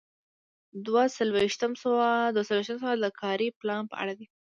دوه څلویښتم سوال د کاري پلان په اړه دی.